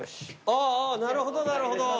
あぁあぁなるほどなるほど。